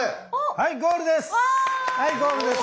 はいゴールです。